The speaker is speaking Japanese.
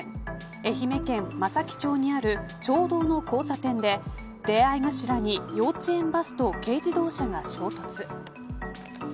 愛媛県松前町にある町道の交差点で出合い頭に幼稚園バスと軽自動車が衝突。